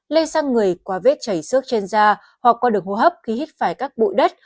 lây sang người qua vết chảy xước trên da hoặc qua đường hô hấp khi hít phải các bụi đất